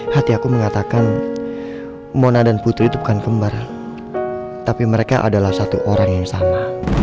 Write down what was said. hati aku mengatakan mona dan putri itu bukan kembar tapi mereka adalah satu orang yang sama